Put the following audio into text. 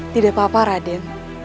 tidak apa apa raden